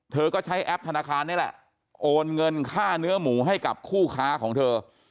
เธอก็ใช้แอปธนาคารนี่แหละโอนเงินค่าเนื้อหมูให้กับคู่ค้าของเธอ